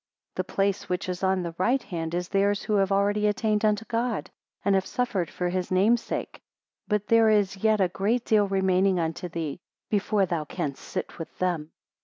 15 The place which is on the right hand is theirs who have already attained unto God, and have suffered for his name sake. But there is yet a great deal remaining unto thee, before thou canst sit with them.